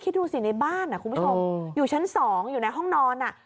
คิดดูสิในบ้านคุณผู้ชมอยู่ชั้น๒อยู่ในห้องนอนอ่ะ